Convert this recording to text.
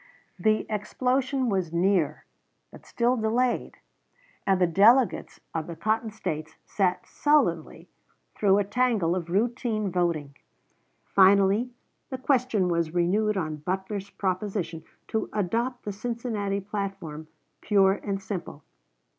[Illustration: W.L. YANCEY.] The explosion was near, but still delayed, and the delegates of the Cotton States sat sullenly through a tangle of routine voting. Finally, the question was renewed on Butler's proposition to adopt the Cincinnati platform pure and simple.